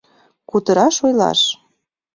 — Кутыраш, ойлаш!